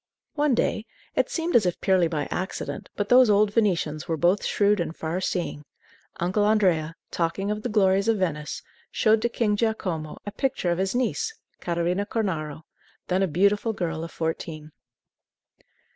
One day it seemed as if purely by accident, but those old Venetians were both shrewd and far seeing Uncle Andrea, talking of the glories of Venice, showed to King Giacomo a picture of his niece, Catarina Cornaro, then a beautiful girl of fourteen.